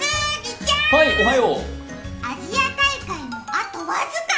ちゃーん、アジア大会もあと僅か。